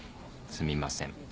すみません。